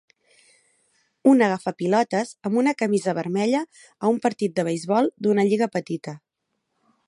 Un agafa pilotes amb una camisa vermella a un partit de beisbol d"una lliga petita.